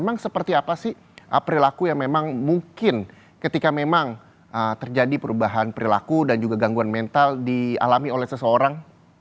memang seperti apa sih perilaku yang memang mungkin ketika memang terjadi perubahan perilaku dan juga gangguan mental dialami oleh seseorang